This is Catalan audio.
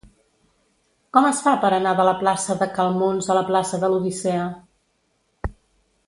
Com es fa per anar de la plaça de Cal Muns a la plaça de l'Odissea?